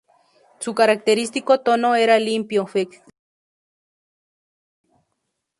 Su característico tono era limpio, flexible y penetrante.